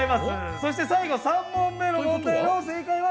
そして最後３問目の問題の正解は？